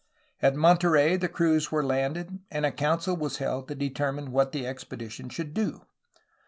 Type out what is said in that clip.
At Monterey the crews were landed and a council was held to determine what the expedition should do.